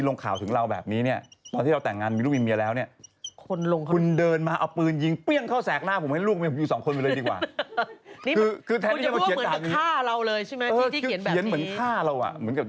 หมายถึงว่าขึ้นมาโดนสมองที่มันทนไม่ไหวขึ้นมาเนี่ยมันแบบ